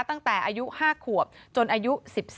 ตั้งแต่อายุ๕ขวบจนอายุ๑๓